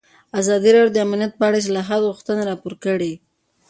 ازادي راډیو د امنیت په اړه د اصلاحاتو غوښتنې راپور کړې.